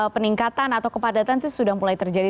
peningkatan atau kepadatan itu sudah mulai terjadi